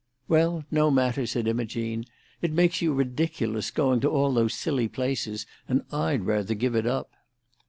"Well, no matter," said Imogene. "It makes you ridiculous, going to all those silly places, and I'd rather give it up."